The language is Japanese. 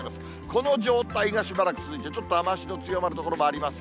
この状態がしばらく続いて、ちょっと雨足の強まる所もあります。